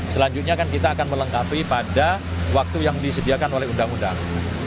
selanjutnya kan kita akan melengkapi pada waktu yang disediakan oleh undang undang